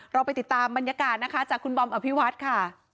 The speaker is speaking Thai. เราไปติดตามบรรยากาศนะคะจากคุณบอมอภิวัฒน์ค่ะ